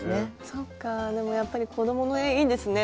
そっかでもやっぱり子供の絵いいですね。